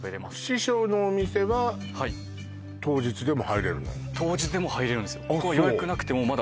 師匠のお店は当日でも入れるんですよああ